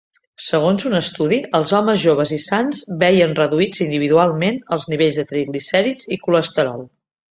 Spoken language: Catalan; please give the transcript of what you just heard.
Segons un estudi, els homes joves i sans veien reduïts individualment els nivells de triglicèrids i colesterol.